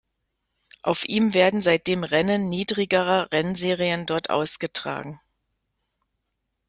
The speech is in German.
Auf ihm werden seitdem Rennen niedrigerer Rennserien dort ausgetragen.